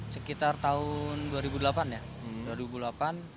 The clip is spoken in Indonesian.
sekitar tahun dua ribu delapan ya